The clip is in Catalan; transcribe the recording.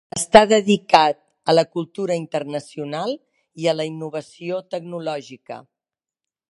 Està dedicat a la cultura internacional i a la innovació tecnològica.